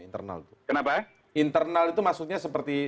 internal itu maksudnya seperti